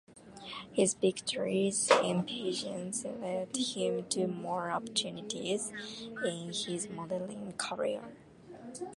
His victories in pageants led him to more opportunities in his modelling career.